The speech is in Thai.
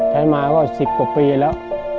ใช้มาก็๑๐กว่าปีแล้ว